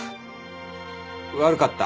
悪かった。